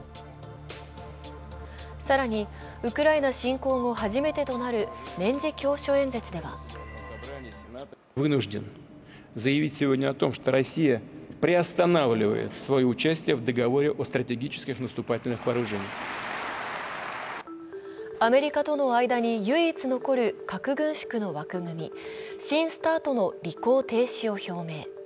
更にウクライナ侵攻後初めてとなる年次教書演説ではアメリカとの間に唯一残る核軍縮の枠組み、新ＳＴＡＲＴの履行停止を表明。